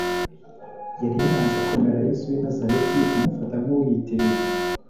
Yari yaranze kwemera Yesu w’i Nazareti amufata nk’uwiyitirira